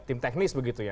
tim teknis begitu ya